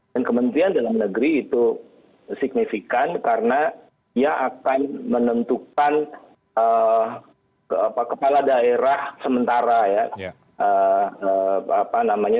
dan kementerian dalam negeri itu signifikan karena ia akan menentukan kepala daerah sementara ya